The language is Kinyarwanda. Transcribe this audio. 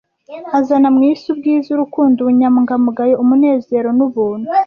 Azana mwisi ... Ubwiza, urukundo, ubunyangamugayo, umunezero, nubuntu